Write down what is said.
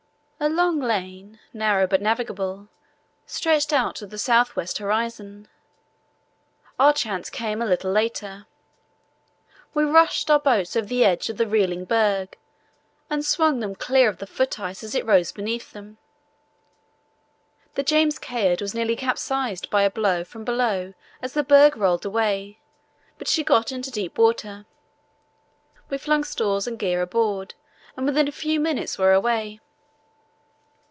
A long lane, narrow but navigable, stretched out to the south west horizon. Our chance came a little later. We rushed our boats over the edge of the reeling berg and swung them clear of the ice foot as it rose beneath them. The James Caird was nearly capsized by a blow from below as the berg rolled away, but she got into deep water. We flung stores and gear aboard and within a few minutes were away.